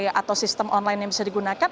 dengan gerai atau sistem online yang bisa digunakan